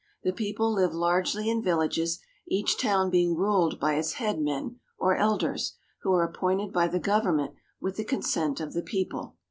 The people live largely in villages, each town being ruled by its head men or elders, who are appointed by the government with the consent of the people.